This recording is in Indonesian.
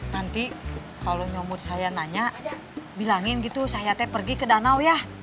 nanti kalau nyomot saya nanya bilangin gitu saya pergi ke danau ya